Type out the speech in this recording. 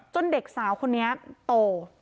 เด็กสาวคนนี้โต